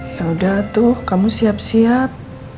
ya udah tuh kamu siap siap